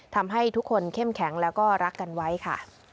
ทำให้ทุกคนเข้มแข็งแล้วก็รักกันไว้ค่ะ